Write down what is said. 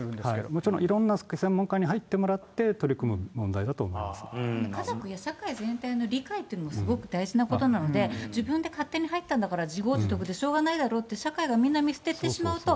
もちろんいろんな専門家に入ってもらって、取り組む問題だと家族や社会全体の理解っていうのもすごく大事なことなので、自分で勝手に入ったんだから、自業自得でしょうがないだろって、社会がみんな見捨ててしまうと、